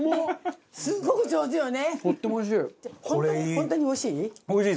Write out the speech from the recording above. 本当においしい？